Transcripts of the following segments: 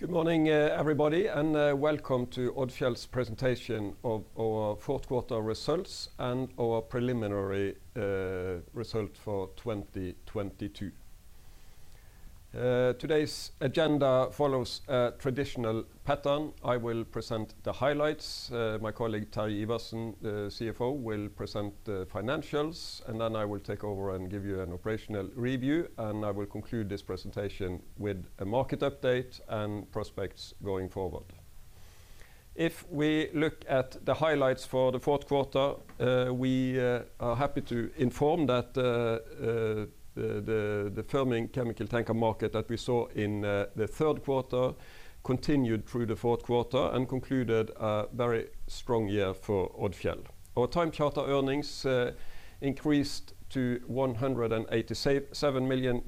Good morning, everybody, and welcome to Odfjell's presentation of our fourth quarter results and our preliminary result for 2022. Today's agenda follows a traditional pattern. I will present the highlights. My colleague, Terje Iversen, the CFO, will present the financials, and then I will take over and give you an operational review. I will conclude this presentation with a market update and prospects going forward. If we look at the highlights for the fourth quarter, we are happy to inform that the firming chemical tanker market that we saw in the third quarter continued through the fourth quarter and concluded a very strong year for Odfjell. Our time charter earnings increased to $187 million,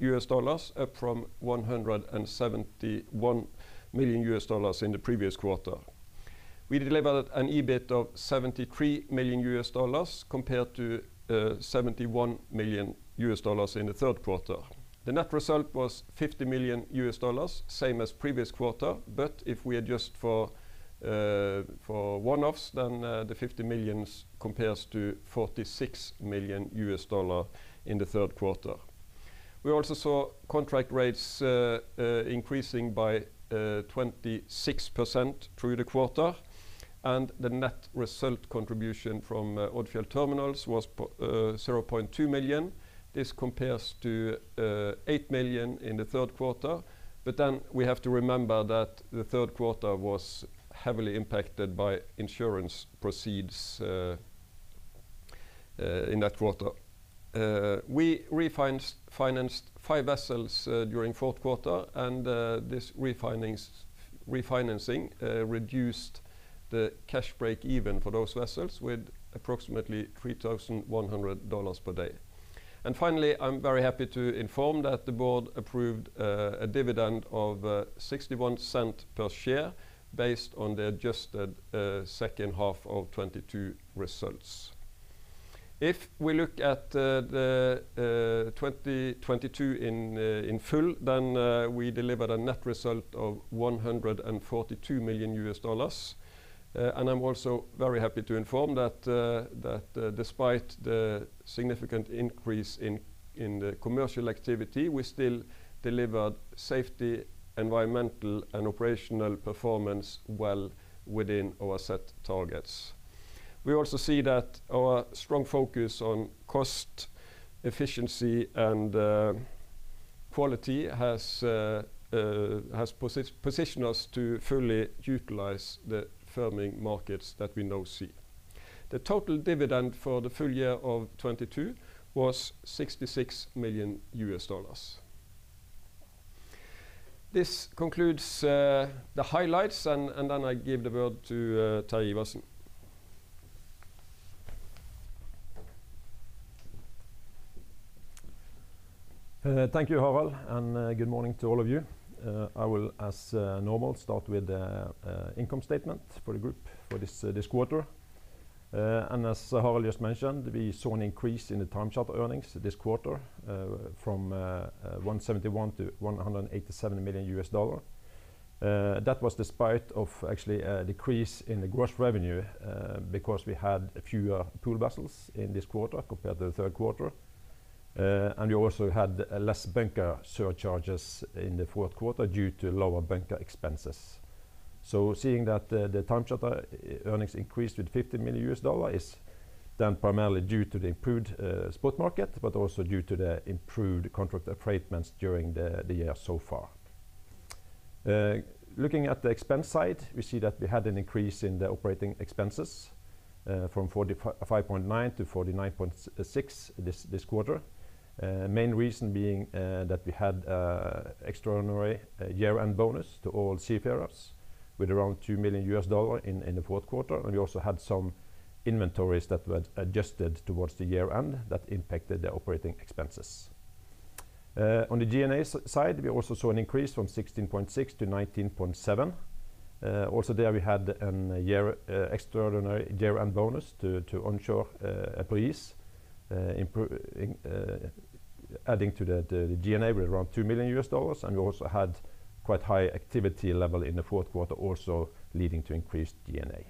up from $171 million in the previous quarter. We delivered an EBIT of $73 million compared to $71 million in the third quarter. The net result was $50 million, same as previous quarter. If we adjust for one-offs, then the $50 million compares to $46 million in the third quarter. We also saw contract rates increasing by 26% through the quarter, and the net result contribution from Odfjell Terminals was $0.2 million. This compares to $8 million in the third quarter. Then we have to remember that the third quarter was heavily impacted by insurance proceeds in that quarter. We refinanced five vessels during fourth quarter, and this refinancing reduced the cash breakeven for those vessels with approximately $3,100 per day. Finally, I'm very happy to inform that the board approved a dividend of $0.61 per share based on the adjusted second half of 2022 results. If we look at the 2022 in full, then we delivered a net result of $142 million. I'm also very happy to inform that despite the significant increase in the commercial activity, we still delivered safety, environmental, and operational performance well within our set targets. We also see that our strong focus on cost, efficiency, and quality has positioned us to fully utilize the firming markets that we now see. The total dividend for the full year of 2022 was $66 million. This concludes, the highlights, and then I give the word to, Terje Iversen. Thank you, Harald, and good morning to all of you. I will, as normal, start with the income statement for the group for this quarter. As Harald just mentioned, we saw an increase in the time charter earnings this quarter, from $171 to 187 million. That was despite of actually a decrease in the gross revenue, because we had fewer pool vessels in this quarter compared to the third quarter. We also had less bunker surcharges in the fourth quarter due to lower bunker expenses. Seeing that the time charter earnings increased with $50 million is then primarily due to the improved spot market, but also due to the improved contract ratements during the year so far. Looking at the expense side, we see that we had an increase in the operating expenses from $45.9 to 49.6 million this quarter. Main reason being that we had extraordinary year-end bonus to all seafarers with around $2 million in the fourth quarter, and we also had some inventories that were adjusted towards the year-end that impacted the operating expenses. On the G&A side, we also saw an increase from $16.6 to 19.7 million. Also there we had an extraordinary year-end bonus to onshore employees, adding to the G&A with around $2 million, and we also had quite high activity level in the fourth quarter also leading to increased G&A.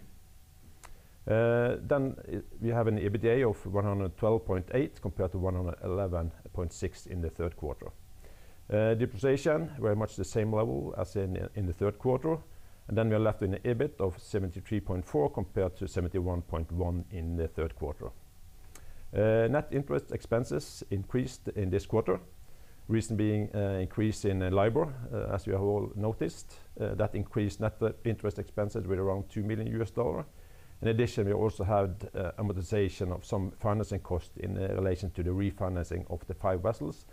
We have an EBITA of $112.8 compared to $111.6 in the third quarter. Depreciation very much the same level as in the third quarter. We are left in the EBIT of $73.4 compared to $71.1 in the third quarter. Net interest expenses increased in this quarter. Reason being, increase in LIBOR, as you have all noticed, that increased net interest expenses with around $2 million. In addition, we also had amortization of some financing costs in relation to the refinancing of the five vessels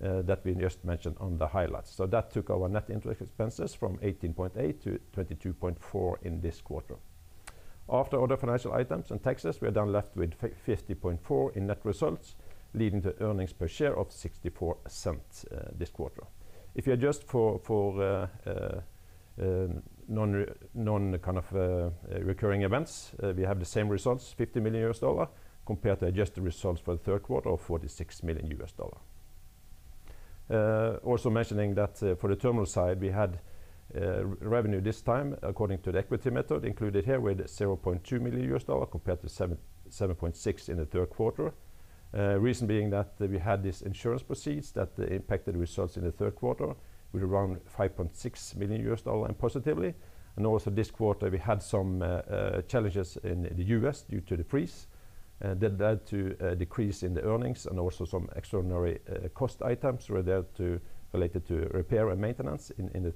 that we just mentioned on the highlights. That took our net interest expenses from $18.8 to $22.4 in this quarter. After other financial items and taxes, we are then left with 50.4 in net results, leading to earnings per share of $0.64 this quarter. If you adjust for non-kind of recurring events, we have the same results, $50 million compared to adjusted results for the third quarter of $46 million. Also mentioning that for the terminal side, we had revenue this time according to the equity method included here with $7.2 million compared to $7.6 million in the third quarter. Reason being that we had this insurance proceeds that impacted results in the third quarter with around $5.6 million and positively. Also this quarter, we had some challenges in the U.S. due to the freeze that led to a decrease in the earnings and also some extraordinary cost items related to repair and maintenance in the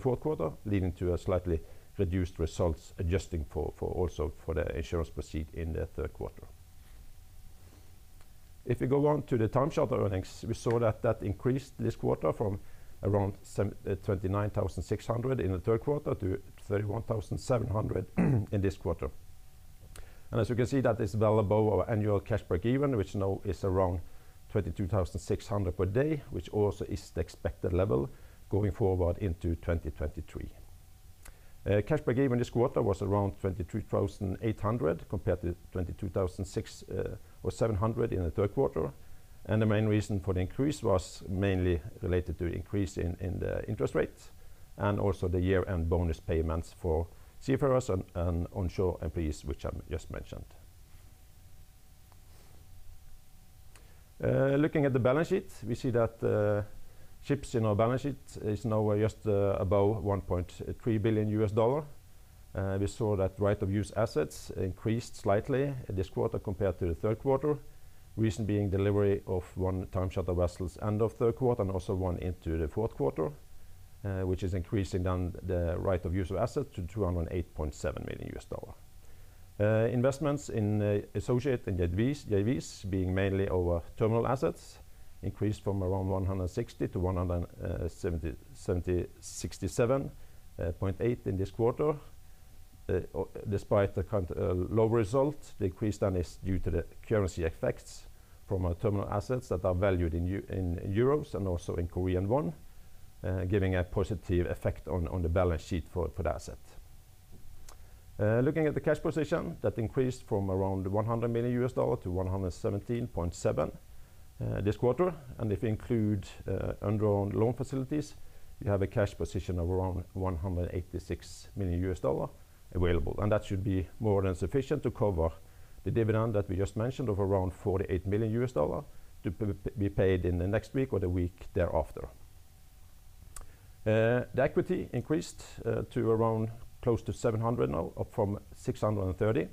fourth quarter, leading to a slightly reduced results adjusting for also for the insurance proceed in the third quarter. We go on to the time charter earnings, we saw that increased this quarter from around $29,600 in the third quarter to $31,700 in this quarter. As you can see that is well above our annual cash breakeven, which now is around $22,600 per day, which also is the expected level going forward into 2023. Cash breakeven this quarter was around $22,800 compared to $22,600 or $22,700 in the third quarter. The main reason for the increase was mainly related to the increase in the interest rates and also the year-end bonus payments for seafarers and onshore employees, which I just mentioned. Looking at the balance sheet, we see that ships in our balance sheet is now just above $1.3 billion. We saw that right-of-use assets increased slightly this quarter compared to the third quarter. Reason being delivery of one time charter vessels end of third quarter and also one into the fourth quarter, which is increasing down the right-of-use of assets to $208.7 million. Investments in associate and JVs being mainly our terminal assets increased from around 160 to 167.8 in this quarter. Despite the current low result, the increase is due to the currency effects from our terminal assets that are valued in euros and also in Korean won, giving a positive effect on the balance sheet for the asset. Looking at the cash position, that increased from around $100 million to $117.7 million this quarter. If you include undrawn loan facilities, you have a cash position of around $186 million available, and that should be more than sufficient to cover the dividend that we just mentioned of around $48 million to be paid in the next week or the week thereafter. The equity increased to around close to 700 now up from 630.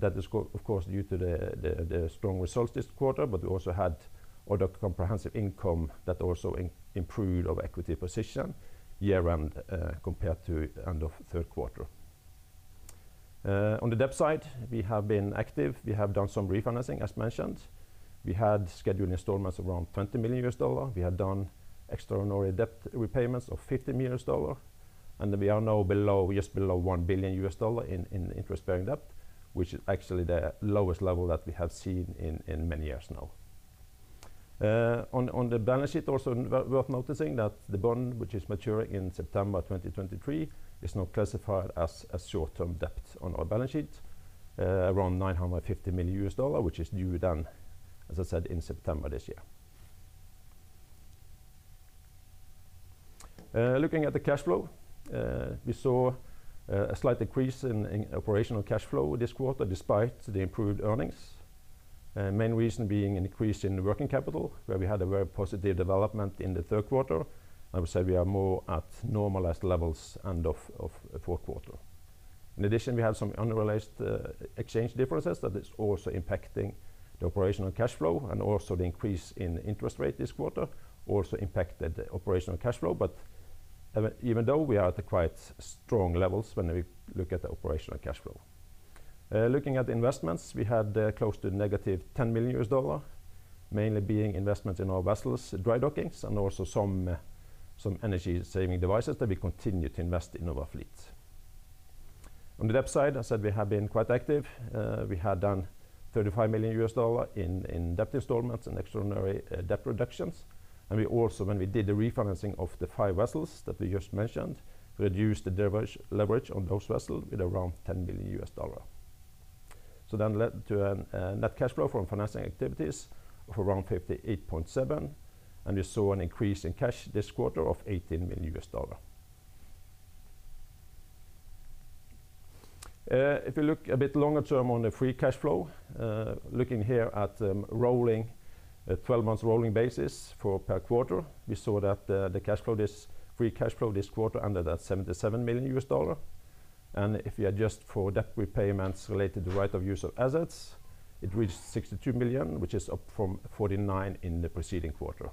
That is of course, due to the strong results this quarter. We also had other comprehensive income that also improved our equity position year on compared to end of third quarter. On the debt side, we have been active. We have done some refinancing, as mentioned. We had scheduled installments around $20 million. We had done extraordinary debt repayments of $50 million, and we are now below, just below $1 billion in interest-bearing debt, which is actually the lowest level that we have seen in many years now. On the balance sheet, also worth noticing that the bond which is maturing in September 2023 is now classified as a short-term debt on our balance sheet, around $950 million, which is due then, as I said, in September this year. Looking at the cash flow, we saw a slight decrease in operational cash flow this quarter despite the improved earnings. Main reason being an increase in the working capital, where we had a very positive development in the third quarter. I would say we are more at normalized levels end of the fourth quarter. In addition, we have some unrealized exchange differences that is also impacting the operational cash flow and also the increase in interest rate this quarter also impacted the operational cash flow. Even though we are at quite strong levels when we look at the operational cash flow. Looking at investments, we had close to negative $10 million, mainly being investment in our vessels, dry dockings and also some energy-saving devices that we continue to invest in our fleet. On the debt side, I said we have been quite active. We had done $35 million in debt installments and extraordinary debt reductions. We also, when we did the refinancing of the five vessels that we just mentioned, reduced the leverage on those vessels with around $10 billion. That led to a net cash flow from financing activities of around $58.7 million, and we saw an increase in cash this quarter of $18 million. If you look a bit longer term on the free cash flow, looking here at 12 months rolling basis for per quarter, we saw that the free cash flow this quarter ended at $77 million. If you adjust for debt repayments related to right-of-use assets, it reached $62 million, which is up from $49 million in the preceding quarter.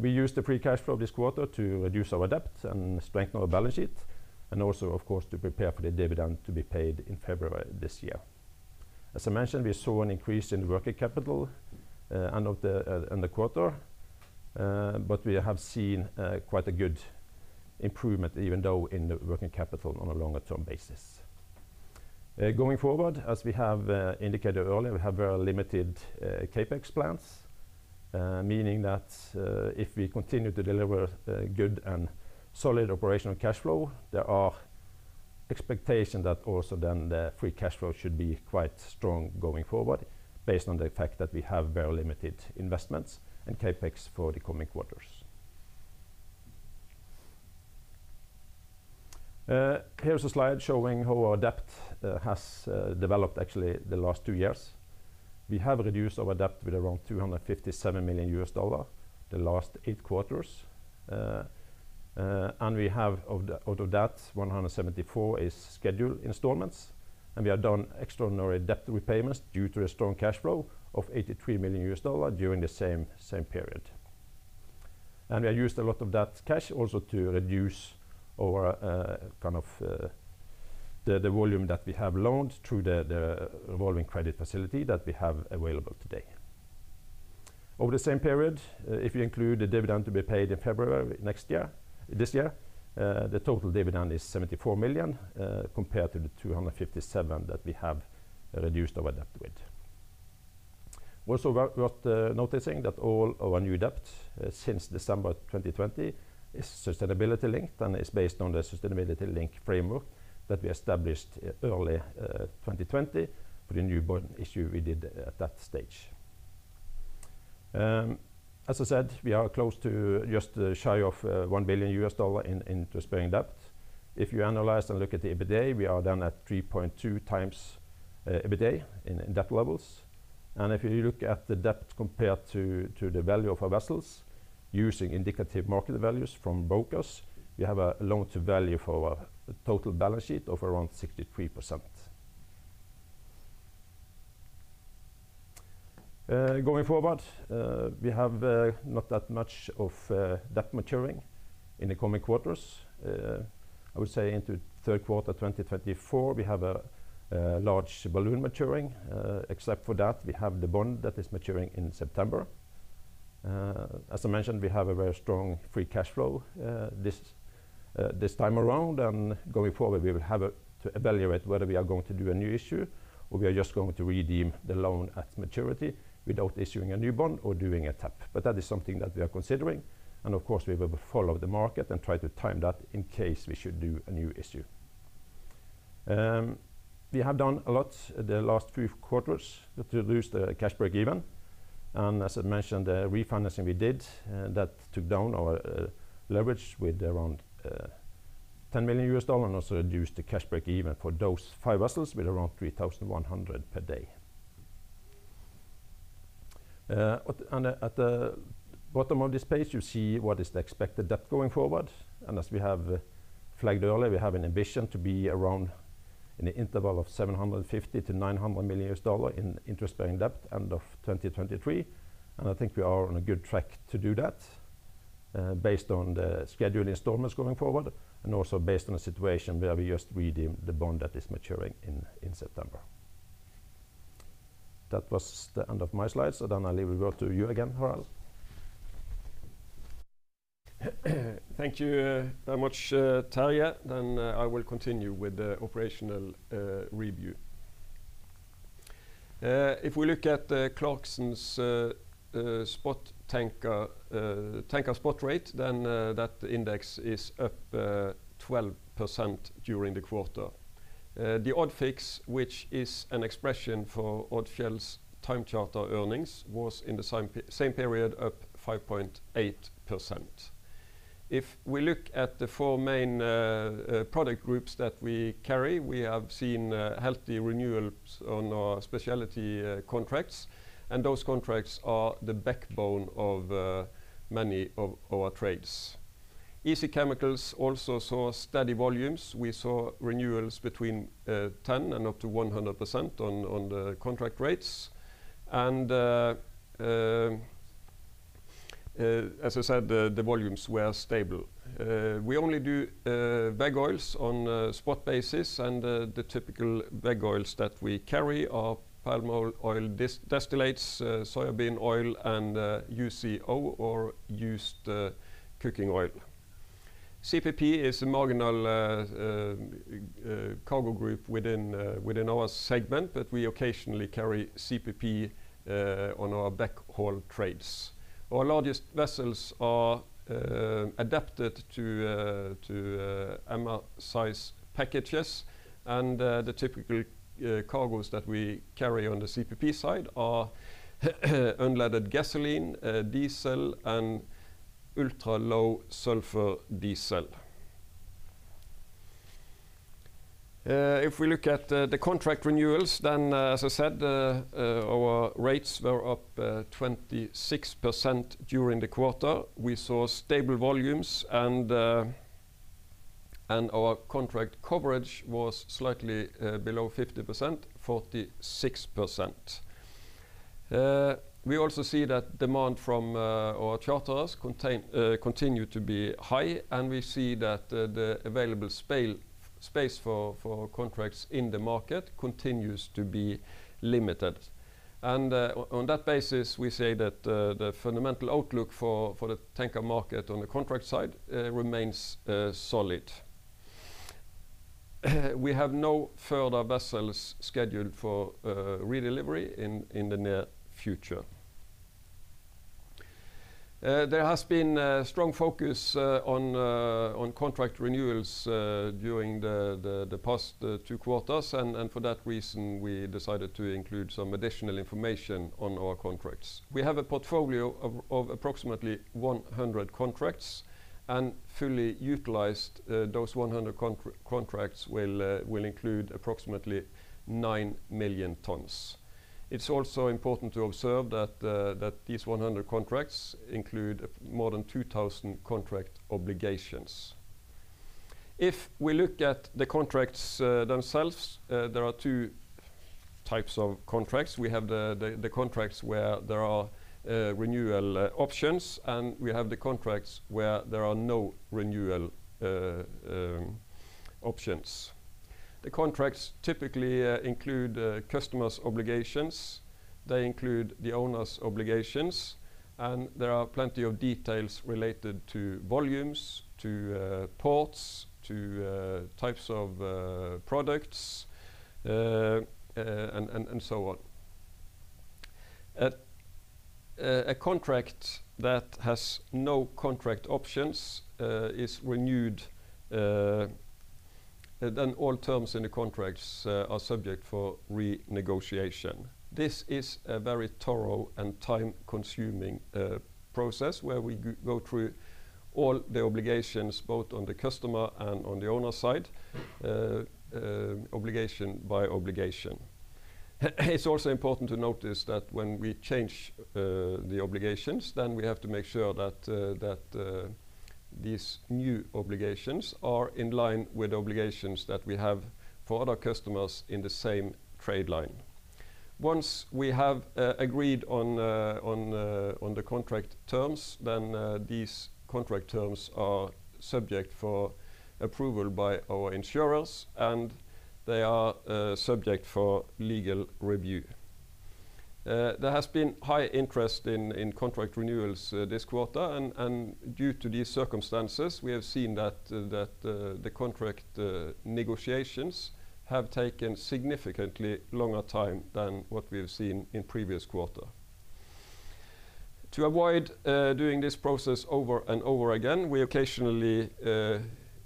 We used the free cash flow this quarter to reduce our debt and strengthen our balance sheet and also of course to prepare for the dividend to be paid in February this year. As I mentioned, we saw an increase in working capital, end the quarter, but we have seen quite a good improvement even though in the working capital on a longer-term basis. Going forward, as we have indicated earlier, we have very limited CapEx plans, meaning that if we continue to deliver good and solid operational cash flow, there are expectation that also then the free cash flow should be quite strong going forward based on the fact that we have very limited investments and CapEx for the coming quarters. Here's a slide showing how our debt has developed actually the last two years. We have reduced our debt with around $257 million the last eight quarters. We have out of that, 174 is scheduled installments, and we have done extraordinary debt repayments due to the strong cash flow of $83 million during the same period. We have used a lot of that cash also to reduce our kind of, the volume that we have loaned through the revolving credit facility that we have available today. Over the same period, if you include the dividend to be paid in February this year, the total dividend is $74 million compared to the $257 million that we have reduced our debt with. Also worth noticing that all our new debt since December 2020 is sustainability-linked and is based on the sustainability-linked framework that we established early 2020 for the new bond issue we did at that stage. As I said, we are close to just shy of $1 billion in interest-bearing debt. If you analyze and look at the EBITDA, we are down at 3.2x EBITDA in debt levels. If you look at the debt compared to the value of our vessels using indicative market values from VesselsValue, we have a loan-to-value for our total balance sheet of around 63%. Going forward, we have not that much debt maturing in the coming quarters. I would say into third quarter 2024, we have a large balloon maturing. Except for that, we have the bond that is maturing in September. As I mentioned, we have a very strong free cash flow this time around. Going forward, we will have to evaluate whether we are going to do a new issue or we are just going to redeem the loan at maturity without issuing a new bond or doing a tap. That is something that we are considering, and of course, we will follow the market and try to time that in case we should do a new issue. We have done a lot the last few quarters to reduce the cash breakeven. As I mentioned, the refinancing we did, that took down our leverage with around $10 million and also reduced the cash breakeven for those five vessels with around $3,100 per day. At the bottom of this page, you see what is the expected debt going forward. As we have flagged earlier, we have an ambition to be around in the interval of $750 million-$900 million in interest-bearing debt end of 2023. I think we are on a good track to do that, based on the scheduled installments going forward and also based on a situation where we just redeem the bond that is maturing in September. That was the end of my slides. I leave it over to you again, Harald. Thank you very much, Terje. I will continue with the operational review. If we look at the Clarksons spot tanker spot rate, then that index is up 12% during the quarter. The Odd Fix, which is an expression for Odfjell's time charter earnings, was in the same period up 5.8%. If we look at the four main product groups that we carry, we have seen healthy renewals on our speciality contracts, and those contracts are the backbone of many of our trades. Easy chemicals also saw steady volumes. We saw renewals between 10% and up to 100% on the contract rates. As I said, the volumes were stable. We only do veg oils on a spot basis, and the typical veg oils that we carry are palm oil distillates, soybean oil and UCO or used cooking oil. CPP is a marginal cargo group within our segment, but we occasionally carry CPP on our backhaul trades. Our largest vessels are adapted to MR size packages, and the typical cargos that we carry on the CPP side are unleaded gasoline, diesel and ultra-low sulfur diesel. If we look at the contract renewals, as I said, our rates were up 26% during the quarter. We saw stable volumes and our contract coverage was slightly below 50%, 46%. We also see that demand from our charterers contain, continue to be high. We see that the available space for contracts in the market continues to be limited. On that basis, we say that the fundamental outlook for the tanker market on the contract side, remains solid. We have no further vessels scheduled for redelivery in the near future. There has been a strong focus on contract renewals during the past two quarters and for that reason, we decided to include some additional information on our contracts. We have a portfolio of approximately 100 contracts and fully utilized, those 100 contracts will include approximately 9 million tons. It's also important to observe that these 100 contracts include more than 2,000 contract obligations. If we look at the contracts themselves, there are two types of contracts. We have the contracts where there are renewal options, and we have the contracts where there are no renewal options. The contracts typically include customers' obligations. They include the owners' obligations, and there are plenty of details related to volumes, to ports, to types of products, and so on. A contract that has no contract options is renewed, all terms in the contracts are subject for renegotiation. This is a very thorough and time-consuming process where we go through all the obligations, both on the customer and on the owner side, obligation by obligation. It's also important to notice that when we change the obligations, then we have to make sure that these new obligations are in line with obligations that we have for other customers in the same trade line. Once we have agreed on the contract terms, then these contract terms are subject for approval by our insurers, and they are subject for legal review. There has been high interest in contract renewals this quarter, and due to these circumstances, we have seen that the contract negotiations have taken significantly longer time than what we have seen in previous quarter. To avoid doing this process over and over again, we occasionally,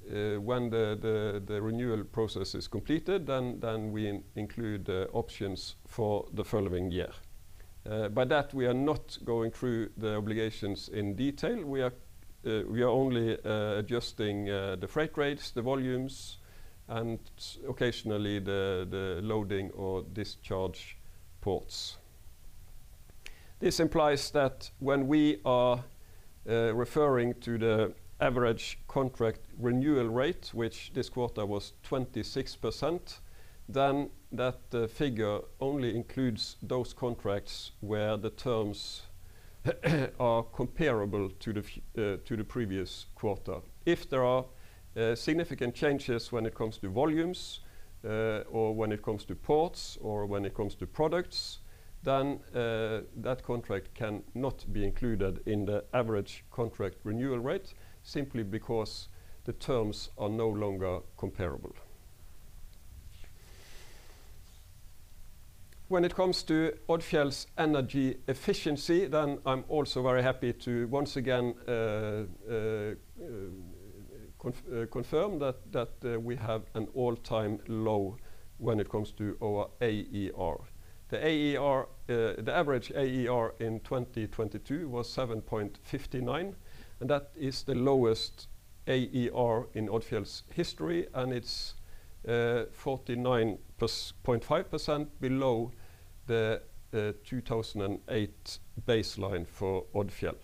when the renewal process is completed, then we include options for the following year. By that, we are not going through the obligations in detail. We are, we are only adjusting the freight rates, the volumes, and occasionally the loading or discharge ports. This implies that when we are referring to the average contract renewal rate, which this quarter was 26%, then that figure only includes those contracts where the terms are comparable to the previous quarter. If there are significant changes when it comes to volumes, or when it comes to ports or when it comes to products, then that contract can not be included in the average contract renewal rate simply because the terms are no longer comparable. When it comes to Odfjell's energy efficiency, then I'm also very happy to once again confirm that we have an all-time low when it comes to our AER. The AER, the average AER in 2022 was 7.59, and that is the lowest AER in Odfjell's history, and it's 49.5% below the 2008 baseline for Odfjell.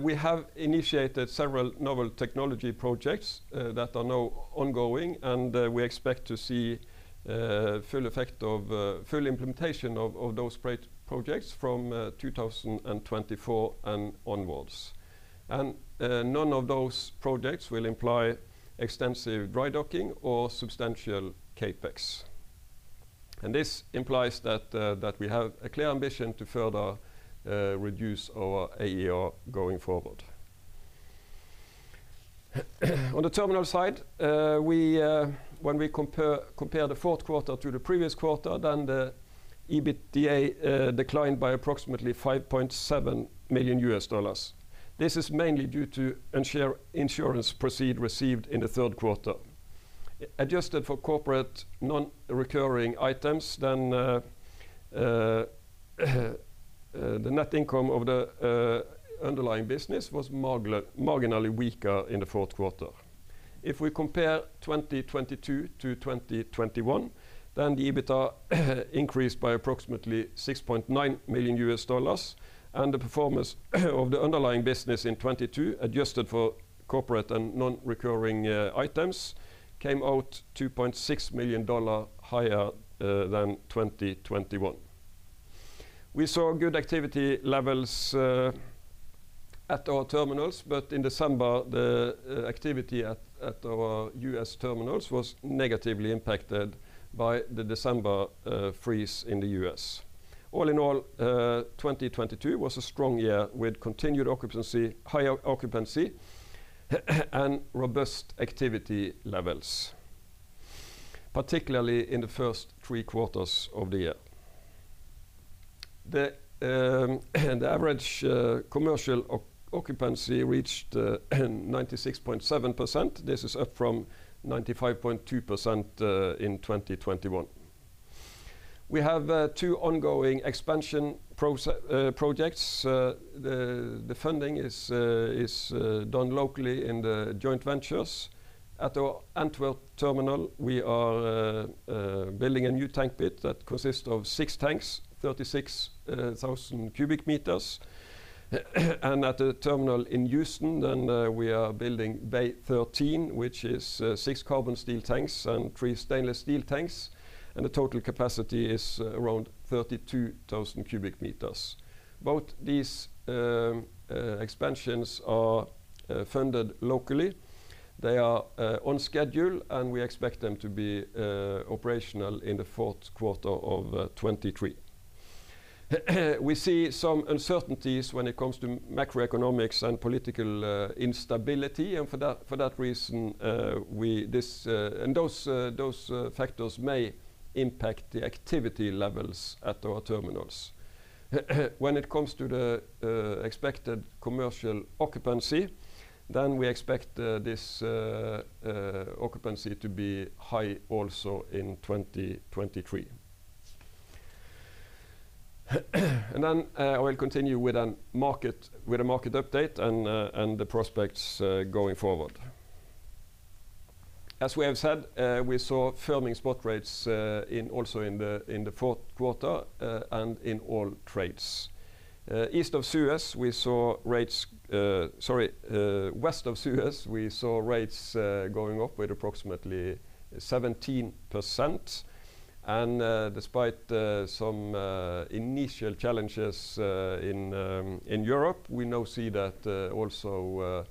We have initiated several novel technology projects that are now ongoing, and we expect to see full effect of full implementation of those great projects from 2024 and onwards. None of those projects will imply extensive dry docking or substantial CapEx. This implies that we have a clear ambition to further reduce our AER going forward. On the terminal side, when we compare the fourth quarter to the previous quarter, the EBITDA declined by approximately $5.7 million. This is mainly due to insurance proceed received in the third quarter. Adjusted for corporate non-recurring items, the net income of the underlying business was marginally weaker in the fourth quarter. If we compare 2022 to 2021, the EBITDA increased by approximately $6.9 million, the performance of the underlying business in 2022, adjusted for corporate and non-recurring items, came out $2.6 million higher than 2021. All in all, 2022 was a strong year with continued occupancy, high occupancy, and robust activity levels, particularly in the first three quarters of the year. The average commercial occupancy reached 96.7%. This is up from 95.2% in 2021. We have two ongoing expansion projects. The funding is done locally in the joint ventures. At our Antwerp terminal, we are building a new tank pit that consists of six tanks, 36 thousand cubic meters. At the terminal in Houston, we are building bay 13, which is six carbon steel tanks and three stainless steel tanks, and the total capacity is around 32 thousand cubic meters. Both these expansions are funded locally. They are on schedule, and we expect them to be operational in the fourth quarter of 2023. We see some uncertainties when it comes to macroeconomics and political instability, and for that reason, this and those factors may impact the activity levels at our terminals. When it comes to the expected commercial occupancy, we expect this occupancy to be high also in 2023. I will continue with a market update and the prospects going forward. As we have said, we saw firming spot rates in the fourth quarter and in all trades. East of Suez, we saw rates. Sorry, west of Suez, we saw rates going up with approximately 17%. Despite some initial challenges in Europe, we now see that also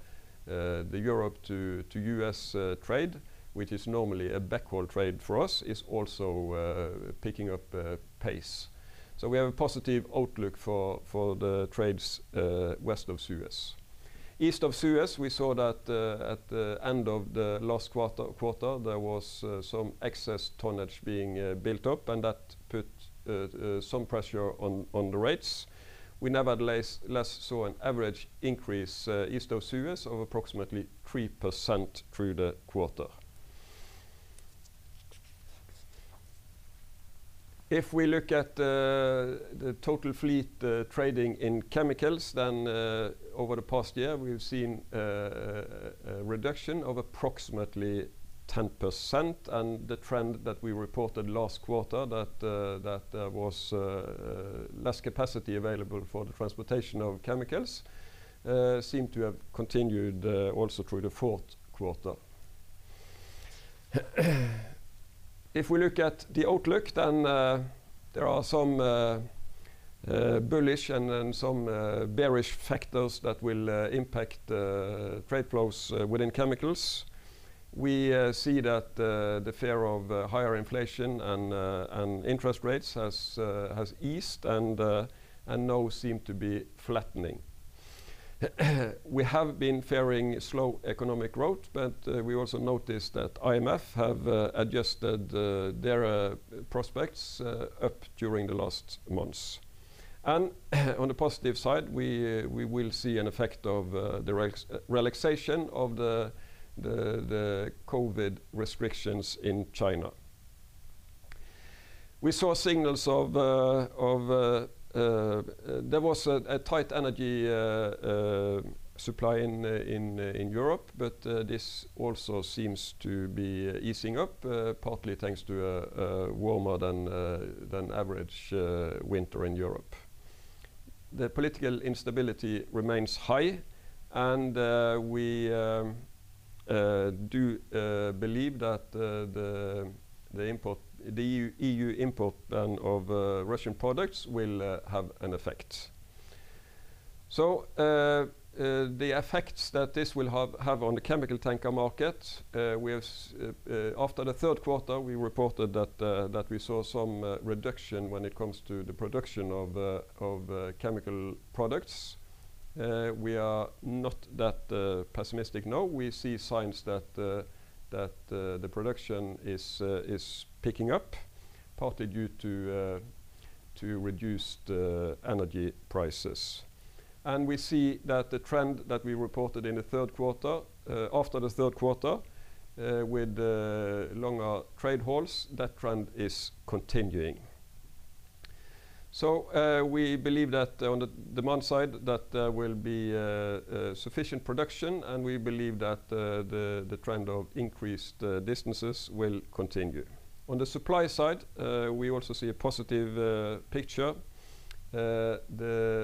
the Europe to U.S. trade, which is normally a backhaul trade for us, is also picking up pace. We have a positive outlook for the trades west of Suez. East of Suez, we saw that at the end of the last quarter, there was some excess tonnage being built up, and that put some pressure on the rates. We nevertheless saw an average increase east of Suez of approximately 3% through the quarter. If we look at the total fleet trading in chemicals, over the past year, we've seen reduction of approximately 10%. The trend that we reported last quarter that was less capacity available for the transportation of chemicals, seem to have continued also through the fourth quarter. If we look at the outlook, there are some bullish and then some bearish factors that will impact trade flows within chemicals. We see that the fear of higher inflation and interest rates has eased and now seem to be flattening. We have been fearing slow economic growth, we also noticed that IMF have adjusted their prospects up during the last months. On the positive side, we will see an effect of the relaxation of the COVID restrictions in China. We saw signals of there was a tight energy supply in Europe, this also seems to be easing up partly thanks to warmer than average winter in Europe. The political instability remains high. We do believe that the import, the EU import of Russian products will have an effect. The effects that this will have on the chemical tanker market, we have after the third quarter, we reported that we saw some reduction when it comes to the production of chemical products. We are not that pessimistic now. We see signs that the production is picking up, partly due to reduced energy prices. We see that the trend that we reported in the third quarter, after the third quarter, with longer trade hauls, that trend is continuing. the demand side, there will be sufficient production, and we believe that the trend of increased distances will continue. On the supply side, we also see a positive picture. There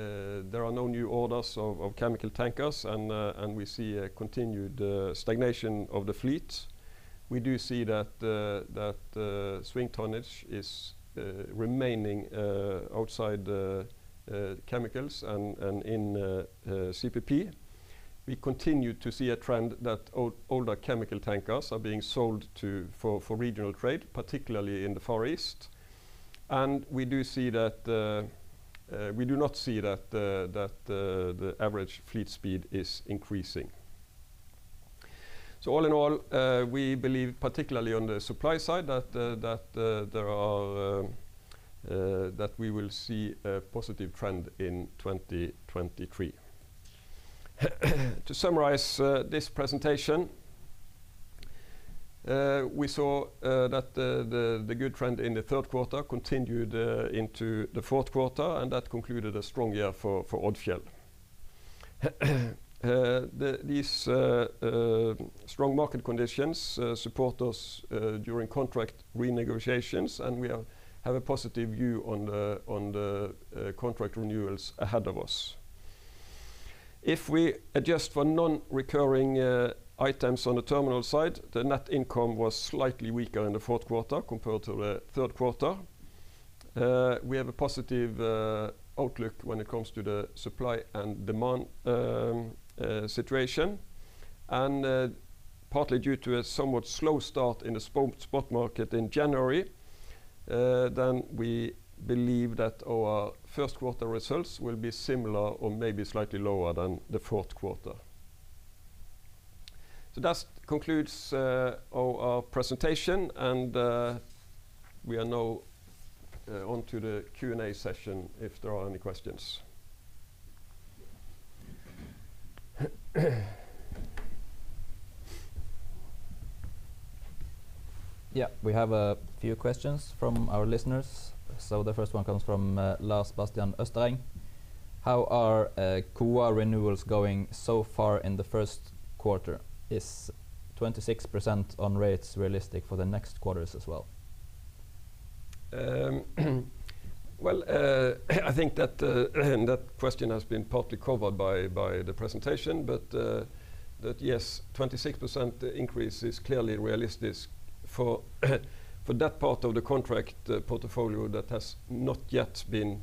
are no new orders of chemical tankers, and we see a continued stagnation of the fleet. We do see that swing tonnage is remaining outside chemicals and in CPP. We continue to see a trend that older chemical tankers are being sold for regional trade, particularly in the Far East. And we do not see that the average fleet speed is increasing All in all, we believe particularly on the supply side that there are, that we will see a positive trend in 2023. To summarize, this presentation, we saw that the good trend in the third quarter continued into the fourth quarter and that concluded a strong year for Odfjell. These strong market conditions support us during contract renegotiations, and we have a positive view on the contract renewals ahead of us. If we adjust for non-recurring items on the terminal side, the net income was slightly weaker in the fourth quarter compared to the third quarter. We have a positive outlook when it comes to the supply and demand situation. Partly due to a somewhat slow start in the spot market in January, then we believe that our first quarter results will be similar or maybe slightly lower than the fourth quarter. That concludes our presentation, and we are now on to the Q&A session if there are any questions. We have a few questions from our listeners. The first one comes from Lars Bastian Østereng. How are COA renewals going so far in the first quarter? Is 26% on rates realistic for the next quarters as well? Well, I think that that question has been partly covered by the presentation, but that yes, 26% increase is clearly realistic for that part of the contract portfolio that has not yet been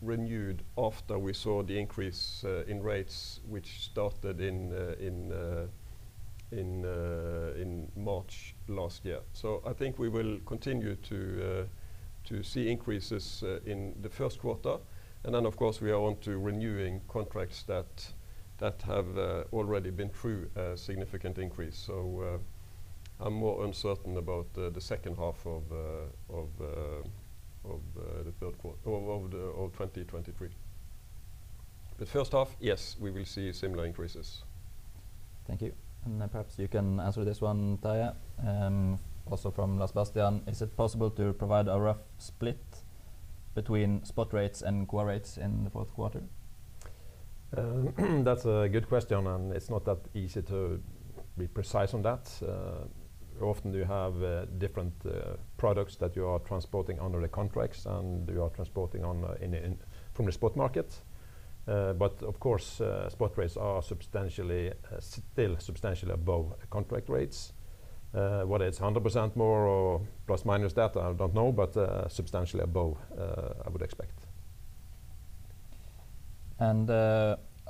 renewed after we saw the increase in rates which started in March 2022. I think we will continue to see increases in the first quarter. Of course, we are on to renewing contracts that have already been through a significant increase. I'm more uncertain about the second half of the third quarter of 2023. First half, yes, we will see similar increases. Thank you. Perhaps you can answer this one, Terje, also from Lars Bastian. Is it possible to provide a rough split between spot rates and Koa rates in the fourth quarter? tion, and it's not that easy to be precise on that. Often you have different products that you are transporting under the contracts and you are transporting in from the spot market. But of course, spot rates are substantially still substantially above contract rates. Whether it's 100% more or plus-minus that, I don't know. But substantially above, I would expect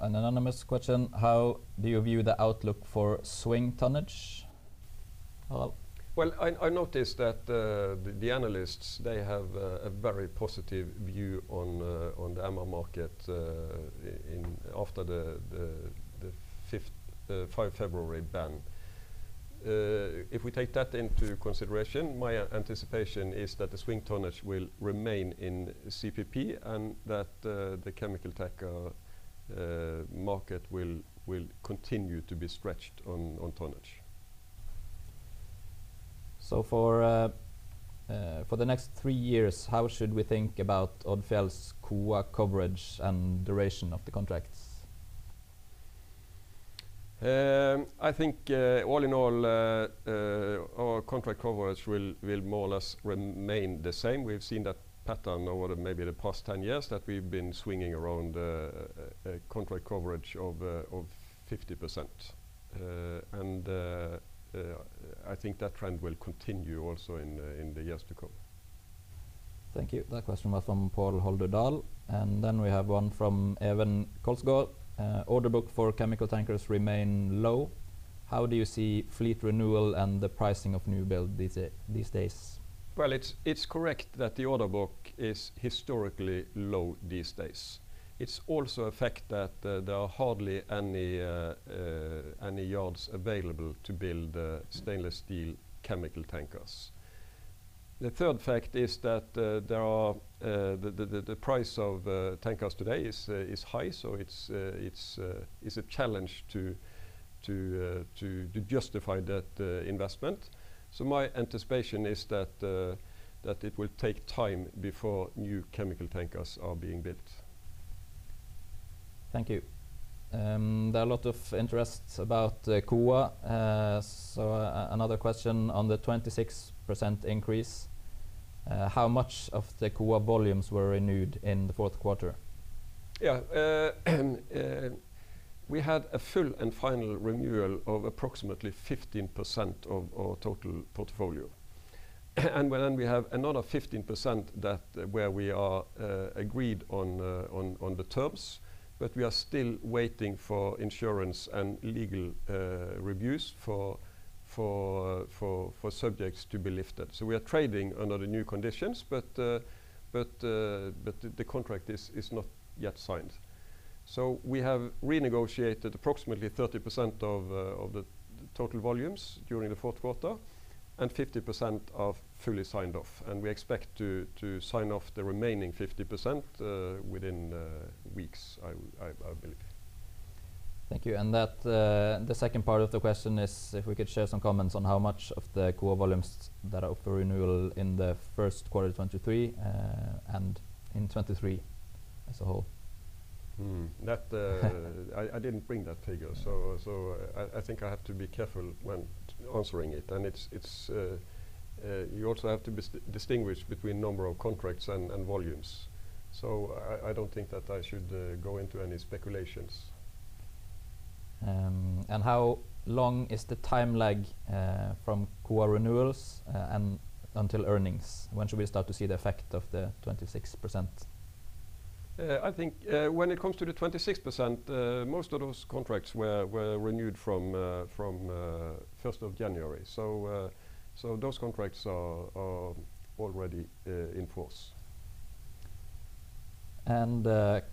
An anonymous question, how do you view the outlook for swing tonnage? Pal? Well, I noticed that the analysts, they have a very positive view on the ama market in, after the 5th 5 February ban. If we take that into consideration, my anticipation is that the swing tonnage will remain in CPP and that the chemical tanker market will continue to be stretched on tonnage. For the next three years, how should we think about Odfjell's Koa coverage and duration of the contracts? I think, all in all, our contract coverage will more or less remain the same. We've seen that pattern over maybe the past 10 years that we've been swinging around, contract coverage of 50%. I think that trend will continue also in the years to come. Thank you. That question was from Pål Holdø Dahl. We have one from Evan Kolsgard. Order book for chemical tankers remain low. How do you see fleet renewal and the pricing of new build these days? Well, it's correct that the order book is historically low these days. It's also a fact that there are hardly any yards available to build stainless steel chemical tankers. The third fact is that the price of tankers today is high, so it's a challenge to justify that investment. My anticipation is that it will take time before new chemical tankers are being built. Thank you. There are a lot of interest about the Koa. Another question on the 26% increase. How much of the Koa volumes were renewed in the fourth quarter? Yeah. We had a full and final renewal of approximately 15% of our total portfolio. When then we have another 15% that where we are agreed on the terms, but we are still waiting for insurance and legal reviews for subjects to be lifted. We are trading under the new conditions, but the contract is not yet signed. We have renegotiated approximately 30% of the total volumes during the fourth quarter and 50% are fully signed off, and we expect to sign off the remaining 50% within weeks, I believe. Thank you. That, the second part of the question is if we could share some comments on how much of the core volumes that are up for renewal in the first quarter 2023, and in 2023 as a whole. That I didn't bring that figure. I think I have to be careful when answering it. It's, you also have to distinguish between number of contracts and volumes. I don't think that I should go into any speculations. How long is the time lag from core renewals and until earnings? When should we start to see the effect of the 26%? I think when it comes to the 26%, most of those contracts were renewed from 1 January. Those contracts are already in force.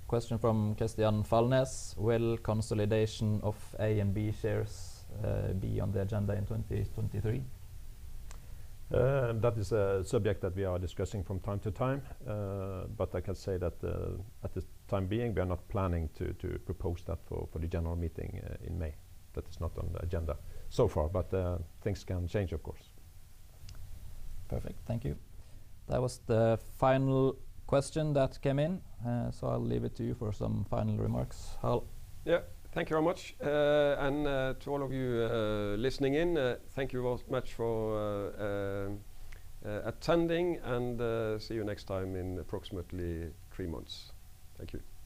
Question from Christian Falness, will consolidation of A and B shares be on the agenda in 2023? That is a subject that we are discussing from time to time. I can say that, at the time being, we are not planning to propose that for the general meeting in May. That is not on the agenda so far. Things can change of course. Perfect. Thank you. That was the final question that came in. I'll leave it to you for some final remarks, Hal. Yeah. Thank you very much. To all of you, listening in, thank you all much for, attending and, see you next time in approximately three months. Thank you.